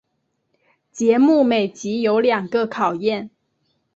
节目每集有两个考验。